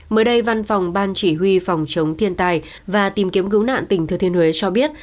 mới đây văn phòng ban chỉ huy phòng chống thiên tai và tìm kiếm cứu nạn tỉnh thừa thiên huế cho biết